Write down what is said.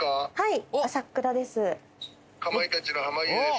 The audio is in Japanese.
はい。